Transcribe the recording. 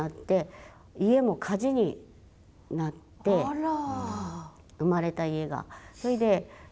あら。